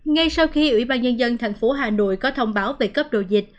ngay sau khi ủy ban nhân dân thành phố hà nội có thông báo về cấp độ dịch